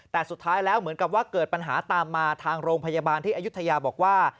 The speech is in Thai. แต่สุดท้ายแล้วเหมือนกับว่าเกิดปัญหาตามมาทางโรงพยาบาลที่อายุทยาบอกว่า